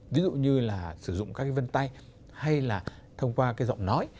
ví dụ như là sử dụng các cái vân tay hay là thông qua cái giọng nói